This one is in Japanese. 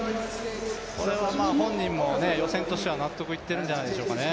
それは本人も予選としては納得いってるんじゃないでしょうかね。